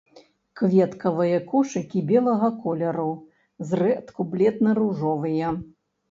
Кветкавыя кошыкі белага колеру, зрэдку бледна-ружовыя.